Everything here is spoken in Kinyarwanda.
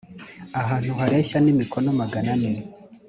ahantu hareshya n imikono magana ane